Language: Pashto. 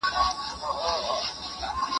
هغې ډېرې لوړې نمرې ترلاسه کړې.